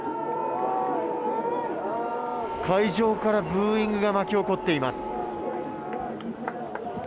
会場からブーイングが巻き起こっています。